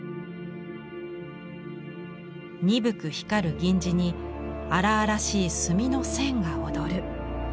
鈍く光る銀地に荒々しい墨の線が躍る。